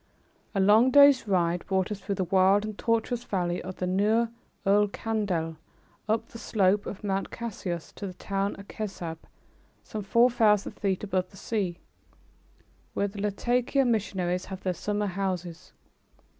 A long day's ride brought us through the wild and tortuous valley of the Nahr ul Kandil, up the slope of Mount Cassius to the town of Kessab, some four thousand feet above the sea, where the Latakia missionaries have their summer homes.